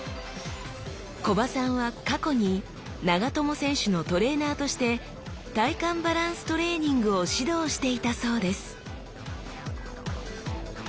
木場さんは過去に長友選手のトレーナーとして体幹バランストレーニングを指導していたそうです